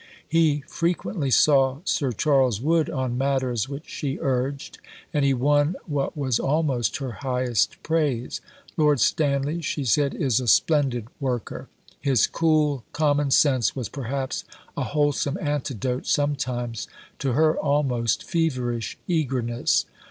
He frequently saw Sir Charles Wood on matters which she urged, and he won what was almost her highest praise. "Lord Stanley," she said, "is a splendid worker." His cool common sense was perhaps a wholesome antidote sometimes to her almost feverish eagerness.